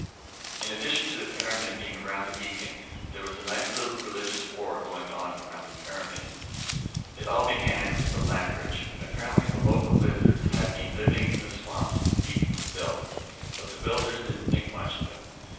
In addition to the pyramid being around the beacon, there was a nice little religious war going on around the pyramid. It all began with the land bridge. Apparently the local lizards had been living in the swamps when the beacon was built, but the builders didn't think much of them.